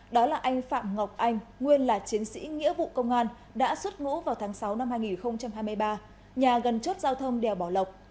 đó là anh phạm ngọc anh nguyên là chiến sĩ nghĩa vụ công an đã xuất ngũ vào tháng sáu năm hai nghìn hai mươi ba nhà gần chốt giao thông đèo bảo lộc